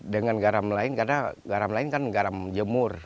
dengan garam lain karena garam lain kan garam jemur